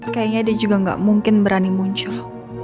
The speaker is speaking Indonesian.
kayaknya dia juga gak mungkin berani muncul